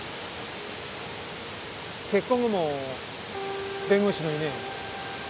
結婚後も弁護士の夢を？